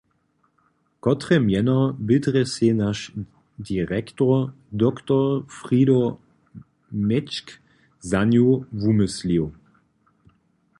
Kotre mjeno bě drje sej naš direktor dr. Frido Mětšk za nju wumyslił?